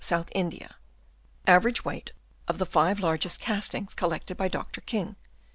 India ; average weight of the 5 largest castings collected by Dr. King.